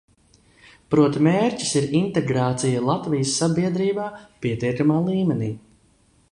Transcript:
Proti, mērķis ir integrācija Latvijas sabiedrībā pietiekamā līmenī.